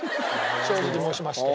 正直申しまして。